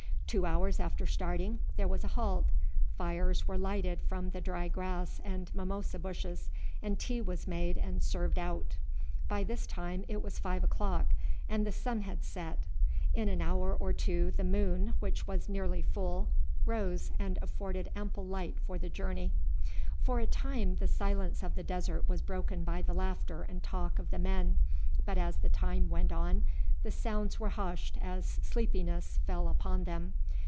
Two hours after starting there was a halt, fires were lighted from the dry grass and mimosa bushes, and tea was made and served out. By this time it was five o'clock, and the sun had set. In an hour or two the moon, which was nearly full, rose, and afforded ample light for the journey. For a time the silence of the desert was broken by the laughter and talk of the men, but as the time went on the sounds were hushed as sleepiness fell upon them.